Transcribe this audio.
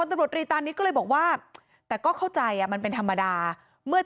ตำรวจรีตานิดก็เลยบอกว่าแต่ก็เข้าใจอ่ะมันเป็นธรรมดาเมื่อ